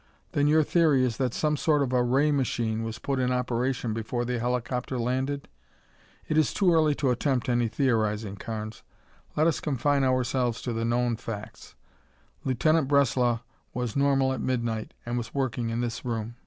"Then your theory is that some sort of a ray machine was put in operation before the helicopter landed?" "It is too early to attempt any theorizing, Carnes. Let us confine ourselves to the known facts. Lieutenant Breslau was normal at midnight and was working in this room.